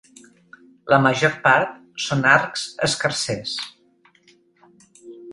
La major part són arcs escarsers.